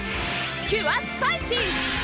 キュアスパイシー！